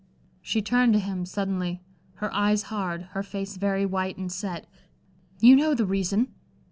She turned to him, suddenly, her eyes hard, her face very white and set. "You know the reason."